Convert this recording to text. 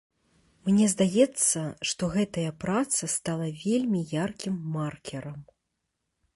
Мне здаецца, што гэтая праца стала вельмі яркім маркерам.